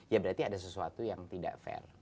ya berarti ada sesuatu yang tidak fair